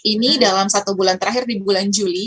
ini dalam satu bulan terakhir di bulan juli